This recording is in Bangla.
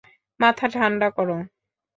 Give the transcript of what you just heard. মাথা ঠান্ডা করো।